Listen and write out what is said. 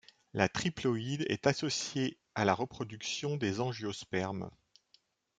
La triploïdie est associée à la reproduction des angiospermes.